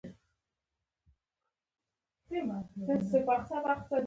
موډرن بیروکراټ دولت د زاړه فیوډالي دولت ځای ونیو.